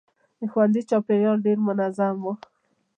د ښوونځي چاپېریال ډېر منظم و.